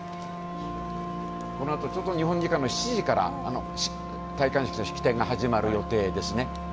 このあとちょうど日本時間の７時から戴冠式の式典が始まる予定ですね。